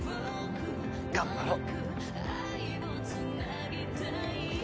頑張ろう。